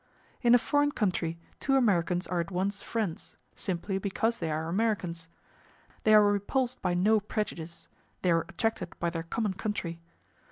In a foreign country two Americans are at once friends, simply because they are Americans. They are repulsed by no prejudice; they are attracted by their common country.